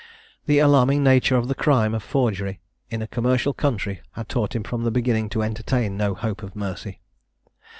The alarming nature of the crime of forgery, in a commercial country, had taught him from the beginning to entertain no hope of mercy.